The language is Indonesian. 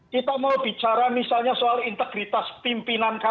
kita mau bicara misalnya soal integritas ya itu juga ada